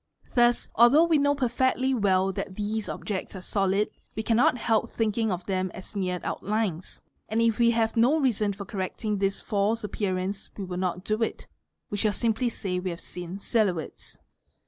Thus although we know perfectly well that these objects are solid, we cannot help think ing of them as mere outlines; and if we have no reason for correcting this false appearance we will not do it, we shall simply say we have seen silhouettes.